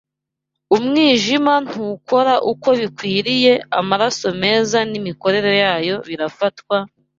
umwijima ntukora uko bikwiriye, amaraso meza n’imikorere yayo birafatwa,